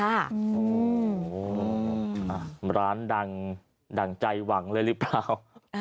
โอ้โหร้านดังดั่งใจหวังเลยหรือเปล่า